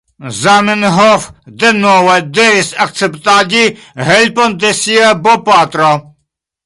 Zamenhof denove devis akceptadi helpon de sia bopatro.